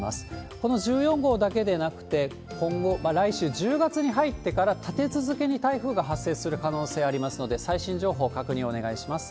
この１４号だけでなくて、今後、来週１０月に入ってから、立て続けに台風が発生する可能性ありますので、最新情報確認をお願いします。